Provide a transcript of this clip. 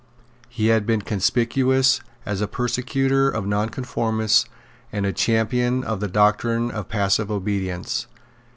He had been conspicuous as a persecutor of nonconformists and a champion of the doctrine of passive obedience.